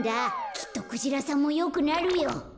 きっとクジラさんもよくなるよ。